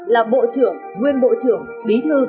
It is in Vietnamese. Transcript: là bộ trưởng nguyên bộ trưởng bí thư